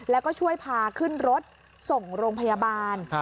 แล้วก็ช่วยพาขึ้นรถส่งโรงพยาบาล